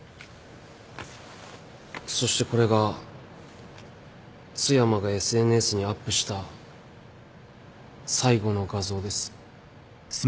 そしてこれが津山がＳＮＳにアップした最後の画像です。